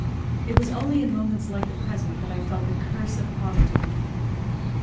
It was only in moments like the present that I felt the curse of poverty.